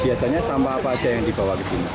biasanya sampah apa aja yang dibawa ke sini